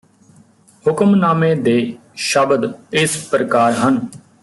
ਹੁਕਮਨਾਮੇ ਦੇ ਸ਼ਬਦ ਇਸ ਪ੍ਰਕਾਰ ਹਨ